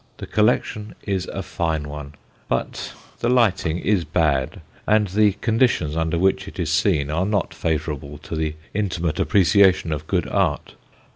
The collection is a fine one, but the lighting is bad, and the conditions under which it is seen are not favourable to the intimate appreciation of good art.